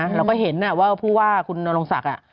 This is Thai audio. เราก็เห็นอะว่าคุณอลงศักดิ์อ่ะ